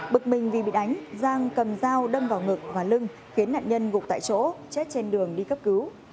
bực mình vì bị đánh giang cầm dao đâm vào ngực và lưng khiến nạn nhân gục tại chỗ chết trên đường đi cấp cứu